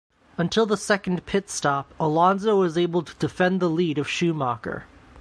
Until the second pit stop Alonso was able to defend the lead of Schumacher.